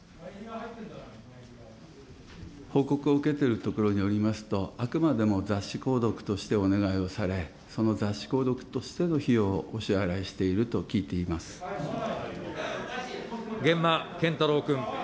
報告を受けてるところによりますと、あくまでも雑誌購読としてお願いをされ、その雑誌購読としての費用をお支払いしていると源馬謙太郎君。